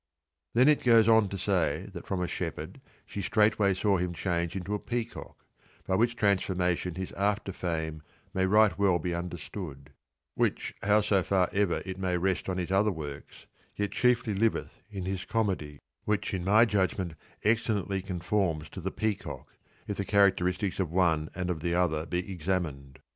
Then it goes on to say that from a shepherd she straightway saw him change into a peacock, by which transformation his after fame may right well be under stood, which how far so ever it may rest on his other 1 06 works yet chiefly liveth in his Comedy, which in my judgment excellently conforms to the peacock, if the characteristics of one and of the other be examined.